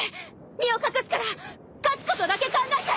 身を隠すから勝つことだけ考えて！